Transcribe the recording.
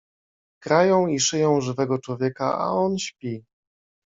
Krają i szyją żywego człowieka, a on śpi.